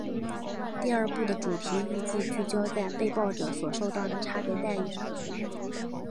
第二部的主题预计聚焦在被爆者所受到的差别待遇上。